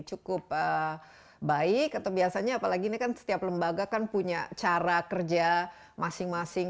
cukup baik atau biasanya apalagi ini kan setiap lembaga kan punya cara kerja masing masing